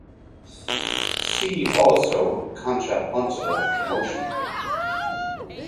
See also contrapuntal motion.